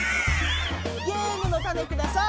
ゲームのタネください。